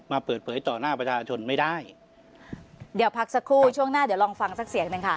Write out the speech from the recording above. มาเปิดเผยต่อหน้าประชาชนไม่ได้เดี๋ยวพักสักครู่ช่วงหน้าเดี๋ยวลองฟังสักเสียงหนึ่งค่ะ